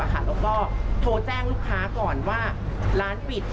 แล้วก็โทรแจ้งลูกค้าก่อนว่าร้านปิด